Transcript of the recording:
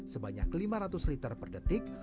sebanyak lima ratus liter per detik